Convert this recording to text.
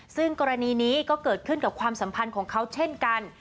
ซึ่งกรณีนี้ก็เกิดขึ้นกับความสัมพันธ์ของเขาเช่นกัน